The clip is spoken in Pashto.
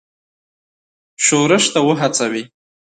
ښورښ ته وهڅوي.